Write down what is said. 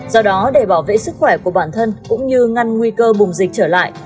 do đó để bảo vệ sức khỏe của bản thân cũng như ngăn nguy cơ bùng dịch trở lại